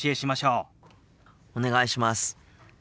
お願いします。